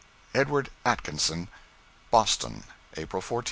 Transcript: EDWARD ATKINSON. Boston: April 14, 1882.